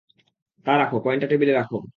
তা রাখো, কয়েনটা টেবিলে রাখো।